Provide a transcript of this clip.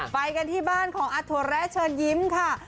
ไปกันที่บ้านของอาถั่วแร้เชิญยิ้มค่ะ